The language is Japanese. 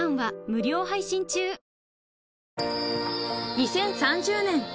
［２０３０年